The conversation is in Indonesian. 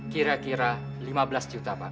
kira kira lima belas juta pak